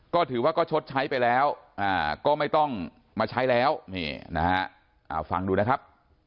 ก็ถือว่าก็ชดใช้ไปแล้วก็ไม่ต้องมาใช้แล้วนี่นะฮะฟังดูนะครับ